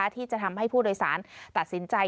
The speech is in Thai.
ที่จะทำให้ผู้โดยสารตัดสินใจ